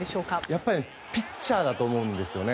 やっぱりピッチャーだと思うんですね。